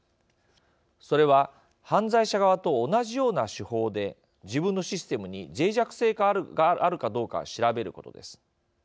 それは犯罪者側と同じような手法で自分のシステムにぜい弱性があるかどうか調べることです。